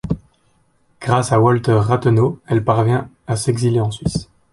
Grâce à Walther Rathenau, elle parvient à s'exiler en Suisse.